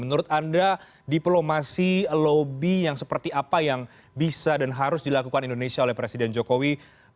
menurut anda diplomasi lobby yang seperti apa yang bisa dan harus dilakukan indonesia oleh presiden jokowi